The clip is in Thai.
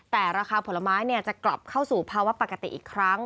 แต่ราคาผลไม้จะกลับเข้าสู่ภาวะปกติอีกครั้ง